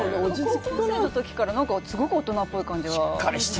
高校生のときからすごく大人っぽい感じがして。